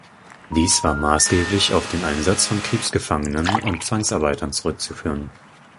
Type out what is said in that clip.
Dies war maßgeblich auf den Einsatz von Kriegsgefangenen und Zwangsarbeitern zurückzuführen.